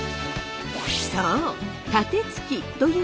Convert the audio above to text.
そう！